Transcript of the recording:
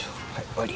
終わり。